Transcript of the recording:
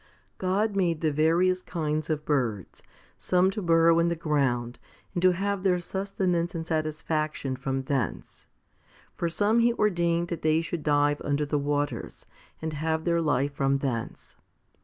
God made the various kinds of birds some to burrow in the ground, and to have their sustenance and satisfaction from thence ; for some He ordained that they should dive under the waters, and have their life from thence.